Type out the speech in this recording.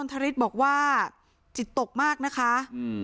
ไม่อยากให้มองแบบนั้นจบดราม่าสักทีได้ไหม